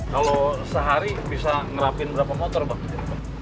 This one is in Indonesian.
kalau sehari bisa ngerapin berapa motor pak